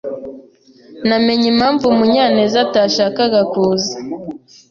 Namenye impamvu Munyanezatashakaga kuza.